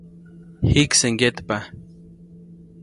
Jikse ŋgyetpa.